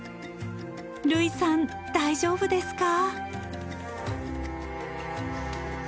類さん大丈夫ですか？